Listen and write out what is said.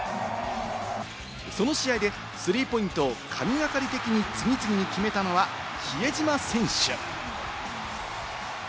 その試合でスリーポイントを神がかり的に次々と決めたのは比江島選手。